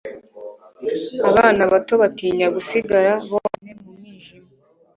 abana bato batinya gusigara bonyine mu mwijima